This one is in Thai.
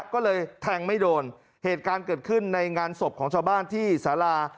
ก็เลยแทงไม่โดนเหตุการณ์เกิดขึ้นในงานศพของชาวบ้านที่สารา